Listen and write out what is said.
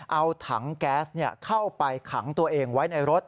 เอาถังแก๊สเข้าไปขังตัวเองไว้ในรถ